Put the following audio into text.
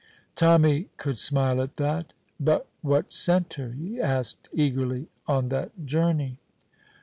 Tommy could smile at that. "But what sent her," he asked eagerly, "on that journey?"